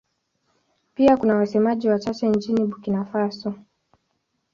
Pia kuna wasemaji wachache nchini Burkina Faso.